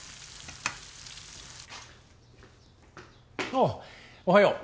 ああおはよう。